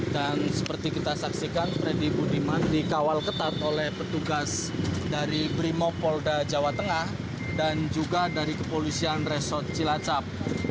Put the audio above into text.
dan seperti kita saksikan freddy budiman dikawal ketat oleh petugas dari brimopolda jawa tengah dan juga dari kepolisian resort cilacap